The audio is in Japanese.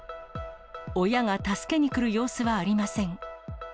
親が助けに来る様子はありません。